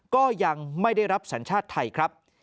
ก็ยังไม่ได้รับสัญชาติไทยครับ